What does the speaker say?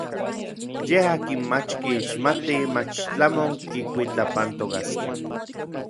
Yej n akin mach kixmatij mach tlamon kikuitlapantokaskej.